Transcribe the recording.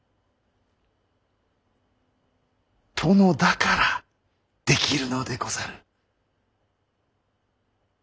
殿だからできるのでござる。